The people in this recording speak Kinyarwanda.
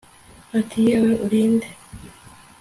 ati yewe, uri nde